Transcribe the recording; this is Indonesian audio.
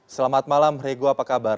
selamat malam rego apa kabar